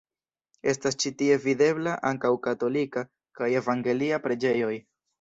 Estas ĉi tie videbla ankaŭ katolika kaj evangelia preĝejoj.